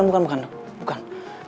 bukan bukan bukan